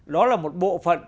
đó là một bộ phận